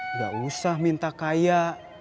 nggak usah minta kaya